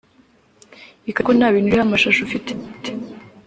ikagenzura ko nta bintu biriho amashashi ufite